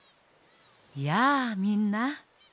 やあみんな。